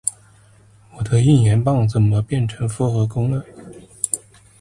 我的应援棒怎么变成复合弓了？